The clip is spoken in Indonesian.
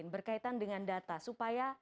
berkaitan dengan data supaya